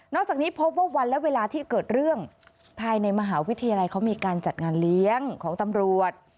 จากนี้พบว่าวันและเวลาที่เกิดเรื่องภายในมหาวิทยาลัยเขามีการจัดงานเลี้ยงของตำรวจ